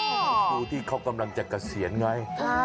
เป็นผู้ที่เขากำลังจะเกษียณไง